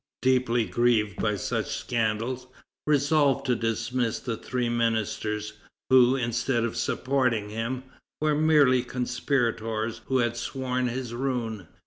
deeply grieved by such scandals, resolved to dismiss the three ministers, who, instead of supporting him, were merely conspirators who had sworn his ruin.